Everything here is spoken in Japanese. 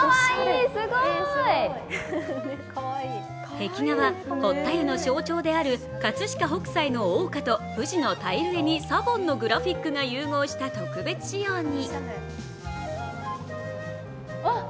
壁画は堀田湯の象徴である葛飾北斎の桜花と富士のタイル絵にＳＡＢＯＮのグラフィックが融合した特別仕様に。